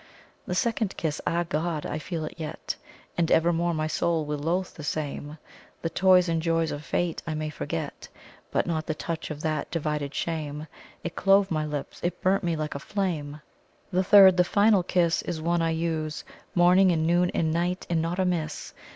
"The second kiss, ah God! I feel it yet, And evermore my soul will loathe the same, The toys and joys of fate I may forget, But not the touch of that divided shame; It clove my lips it burnt me like a flame. "The third, the final kiss, is one I use Morning and noon and night, and not amiss.